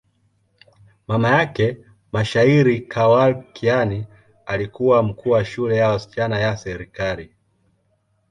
Mama yake, mshairi Khawar Kiani, alikuwa mkuu wa shule ya wasichana ya serikali.